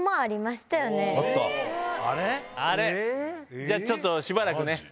じゃあちょっとしばらくね。